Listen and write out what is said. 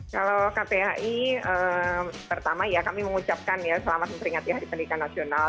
kalau kpai pertama ya kami mengucapkan ya selamat memperingati hari pendidikan nasional